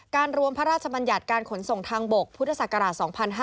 รวมพระราชบัญญัติการขนส่งทางบกพุทธศักราช๒๕๕๙